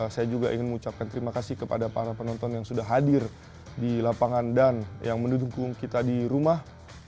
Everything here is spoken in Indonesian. saya juga ingin mengucapkan terima kasih kepada para penonton yang sudah hadir di lapangan dan yang mendukung kita di rumah